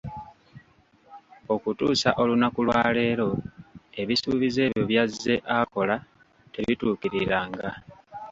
Okutuusa olunaku lwaleero ebisuubizo ebyo by'azze akola, tebituukiriranga.